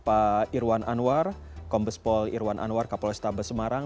pak irwan anwar kompos pol irwan anwar kapolestabes semarang